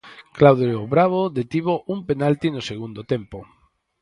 Claudio Bravo detivo un penalti no segundo tempo.